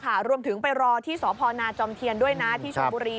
ใช่ค่ะรวมถึงไปรอที่สนจด้วยนะที่ช่วงบุรี